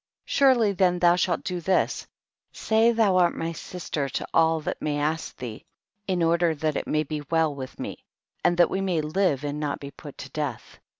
5 iSurely then thou shalt do this, say thou art my si.stcr to all that may ask thee, in order that it may be well with me, and that we may live and not be put to death.